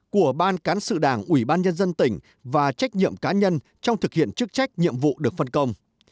của ban cán sự đảng ủy ban nhân dân tỉnh và trách nhiệm cá nhân trong thực hiện chức trách nhiệm vụ được phân công